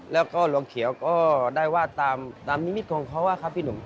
แล้วก็หลวงเขียวก็ได้วาดตามนิมิตของเขาอะครับพี่หนุ่ม